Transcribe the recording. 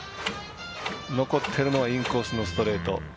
残っているのはインコースのストレート。